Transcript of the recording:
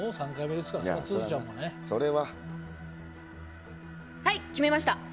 はい、決めました。